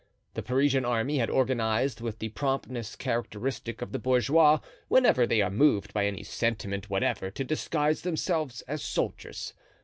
The Parisian army had organized with the promptness characteristic of the bourgeois whenever they are moved by any sentiment whatever to disguise themselves as soldiers.